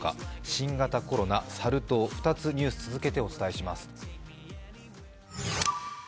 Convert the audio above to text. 新型コロナ、サル痘、２つニュース続けてお伝えします。